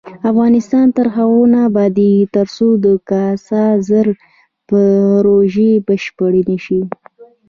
افغانستان تر هغو نه ابادیږي، ترڅو د کاسا زر پروژه بشپړه نشي.